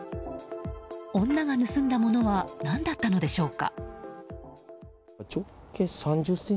女が盗んだものは何だったのでしょうか。